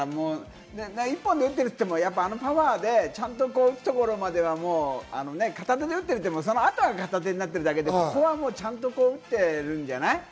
一本で打ってるって言っても、あのパワーでちゃんと行くところまでは片手で打ってると言っても、そのあとが片手になってるだけで、ちゃんと持ってるんじゃない？